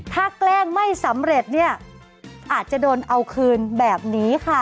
ถ้าแกล้งไม่สำเร็จเนี่ยอาจจะโดนเอาคืนแบบนี้ค่ะ